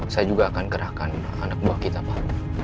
saya juga akan kerahkan anak buah kita pak